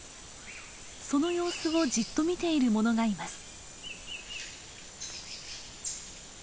その様子をじっと見ている者がいます。